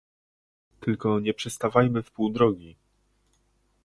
Tylko nie przystawajmy w pół drogi